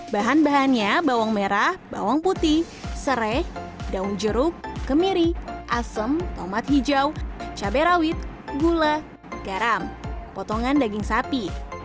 bahan bahannya bawang merah bawang putih serai daun jeruk kemiri asem tomat hijau cabai rawit gula garam potongan daging sapi